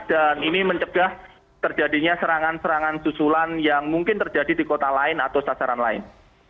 ini mencegah terjadinya serangan serangan susulan yang mungkin terjadi di kota lain atau sasaran lain